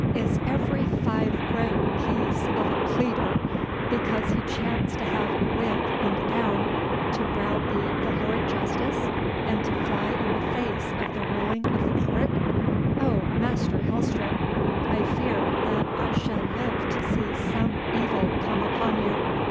Is every five groat piece of a pleader, because he chance to have a wig and a gown, to browbeat the Lord Justice, and to fly in the face of the ruling of the Court? Oh, Master Helstrop, I fear that I shall live to see some evil come upon you!